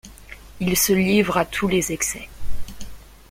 Il se livre à tous les excès.